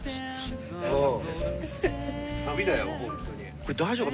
これ大丈夫か？